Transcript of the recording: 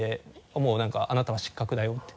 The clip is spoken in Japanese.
もう何か「あなたは失格だよ」って。